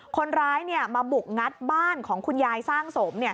คนร้ายมาบุกงัดบ้านของคุณยายสร้างสม